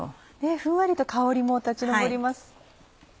ふんわりと香りも立ち上ります。